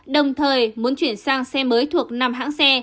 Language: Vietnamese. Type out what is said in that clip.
đồng thời muốn chuyển sang xe mới thuộc năm hãng xe